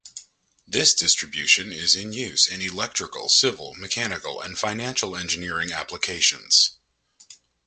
This distribution is in use in electrical, civil, mechanical, and financial engineering applications.